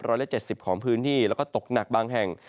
ร้อยละ๗๐ของพื้นที่แล้วก็ตกหนักบางแห่ง